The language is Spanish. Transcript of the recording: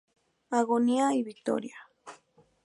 Agonía y victoria".